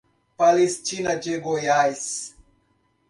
Palestina de Goiás